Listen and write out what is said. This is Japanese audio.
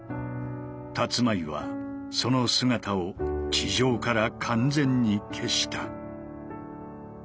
たつまいはその姿を地上から完全に消した。